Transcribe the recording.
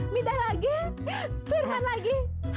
mida lagi firman lagi